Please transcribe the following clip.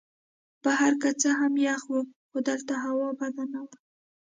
بهر که څه هم یخ وو خو دلته هوا بده نه وه.